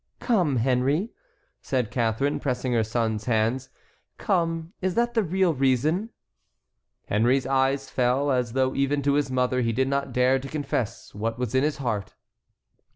"Come, Henry," said Catharine, pressing her son's hands, "come, is that the real reason?" Henry's eyes fell, as though even to his mother he did not dare to confess what was in his heart.